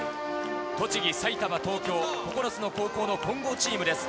栃木、埼玉、東京、９つの高校の混合チームです。